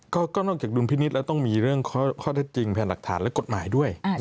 ก็นอกจากดุลพินิษฐ์แล้วต้องมีเรื่องข้อเท็จจริงแผนหลักฐานและกฎหมายด้วย